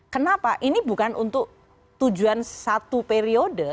kenapa ini bukan untuk tujuan satu periode